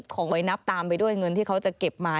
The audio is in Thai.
ของวัยนับตามไปด้วยเงินที่เขาจะเก็บมา